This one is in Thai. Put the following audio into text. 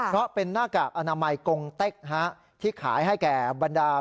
เพราะเป็นหน้ากากอนามัยกงเต็กที่ขายให้แก่บรรดา